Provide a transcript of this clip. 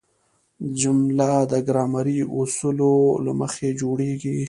جمله د ګرامري اصولو له مخه جوړیږي.